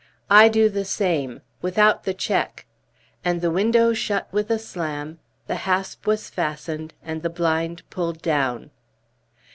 "I do the same without the check." And the window shut with a slam, the hasp was fastened, and the blind pulled down.